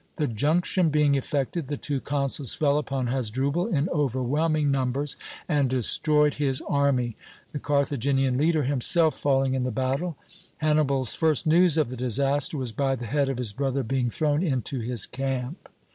The junction being effected, the two consuls fell upon Hasdrubal in overwhelming numbers and destroyed his army; the Carthaginian leader himself falling in the battle. Hannibal's first news of the disaster was by the head of his brother being thrown into his camp.